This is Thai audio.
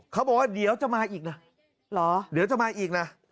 เขาบอกว่าเดี๋ยวจะมาอีกนะเดี๋ยวจะมาอีกนะ